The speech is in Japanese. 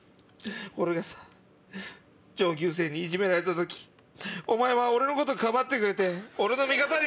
俺がさ上級生にいじめられた時お前は俺のことかばってくれて俺の味方に。